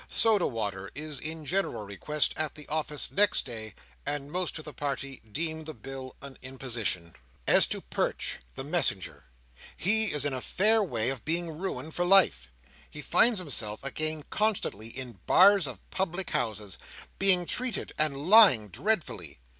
Soda water is in general request at the office next day, and most of the party deem the bill an imposition. As to Perch, the messenger, he is in a fair way of being ruined for life. He finds himself again constantly in bars of public houses, being treated and lying dreadfully.